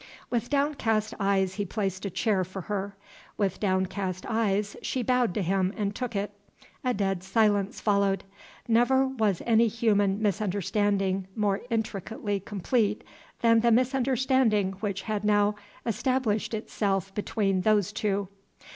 With downcast eyes he placed a chair for her. With downcast eyes she bowed to him and took it. A dead silence followed. Never was any human misunderstanding more intricately complete than the misunderstanding which had now established itself between those two.